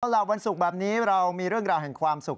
เอาล่ะวันศุกร์แบบนี้เรามีเรื่องราวแห่งความสุข